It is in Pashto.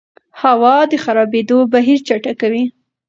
هوا د خرابېدو بهیر چټکوي.